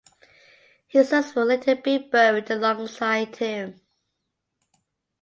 His sons would later be buried alongside him.